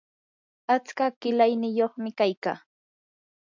atska qilayniyuqmi kaykaa